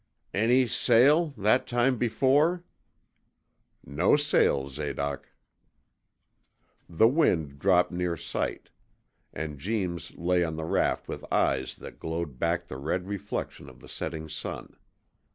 'Any sail that time before?' 'No sail, Zadoc.' The wind dropped near night, and Jeems lay on the raft with eyes that glowed back the red reflection of the setting sun.